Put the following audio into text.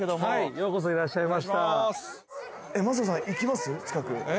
ようこそいらっしゃいましたえっ？